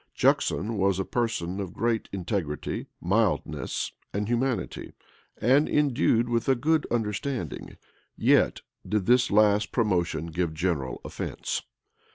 Juxon was a person of great integrity, mildness, and humanity, and endued with a good understanding.[] Yet did this last promotion give general offence.